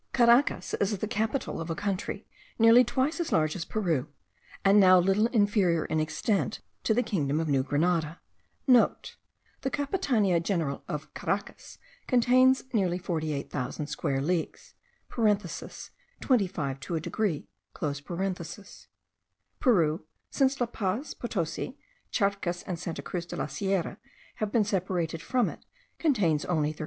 Caracas is the capital of a country nearly twice as large as Peru, and now little inferior in extent to the kingdom of New Grenada.* (* The Capitania General of Caracas contains near 48,000 square leagues (twenty five to a degree). Peru, since La Paz, Potosi, Charcas and Santa Cruz de la Sierra, have been separated from it, contains only 30,000.